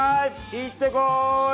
行ってこい！